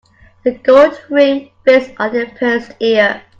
The gold ring fits only a pierced ear.